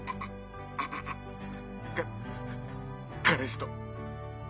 か彼氏と。